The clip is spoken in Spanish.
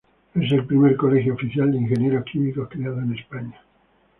Es el primer Colegio Oficial de Ingenieros Químicos creado en España.